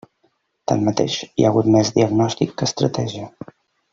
Tanmateix hi ha hagut més diagnòstic que estratègia.